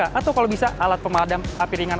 atau kalau bisa alat pemadam api ringan